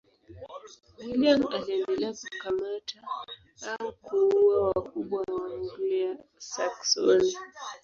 William aliendelea kukamata au kuua wakubwa wa Waanglia-Saksoni.